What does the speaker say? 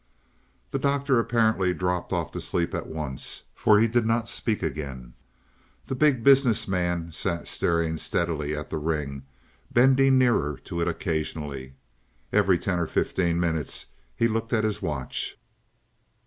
The Doctor apparently dropped off to sleep at once, for he did not speak again. The Big Business Man sat staring steadily at the ring, bending nearer to it occasionally. Every ten or fifteen minutes he looked at his watch.